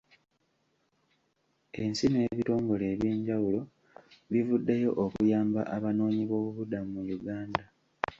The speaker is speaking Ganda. Ensi n'ebitongole eby'enjawulo bivuddeyo okuyamba Abanoonyi b'obubudamu mu Uganda.